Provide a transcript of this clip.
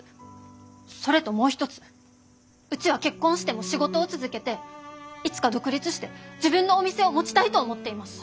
それともう一つうちは結婚しても仕事を続けていつか独立して自分のお店を持ちたいと思っています。